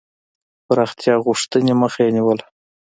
پراختیا غوښتني مخه یې نیوله.